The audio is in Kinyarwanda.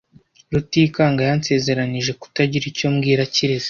Rutikanga yansezeranije kutagira icyo mbwira Kirezi .